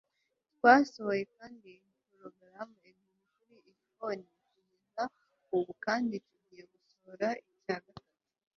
twasohoye kandi porogaramu ebyiri kuri iphone kugeza ubu kandi tugiye gusohora icya gatatu